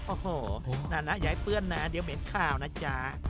โอ้โหนานาให้เบื่อนนานาเดี๋ยวเป็นข้าวนะจ้า